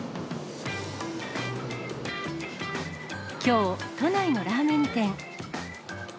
きょう、都内のラーメン店。